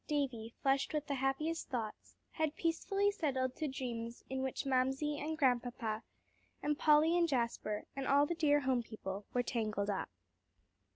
Davie, flushed with the happiest thoughts, had peacefully settled to dreams in which Mamsie and Grandpapa, and Polly and Jasper, and all the dear home people, were tangled up.